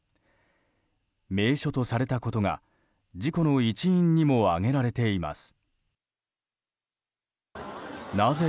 名所とされたことが事故の一因にも挙げられています。